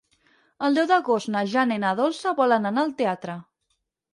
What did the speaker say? El deu d'agost na Jana i na Dolça volen anar al teatre.